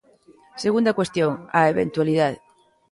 Segunda cuestión, a eventualidade.